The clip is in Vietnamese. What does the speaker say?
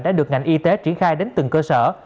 đã được ngành y tế triển khai đến từng cơ sở